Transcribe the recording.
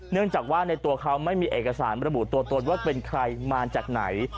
เนื่องจากว่าในตัวเขาไม่มีเอกสารระบุตัวตนว่าเป็นใครมาจากไหน